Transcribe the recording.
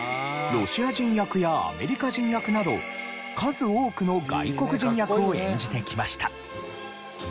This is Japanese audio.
ロシア人役やアメリカ人役など数多くの外国人役を演じてきました。